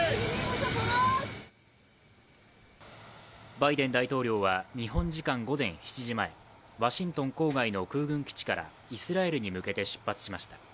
バイデン大統領は日本時間午前７時前ワシントン郊外の空軍基地からイスラエルに向けて出発しました。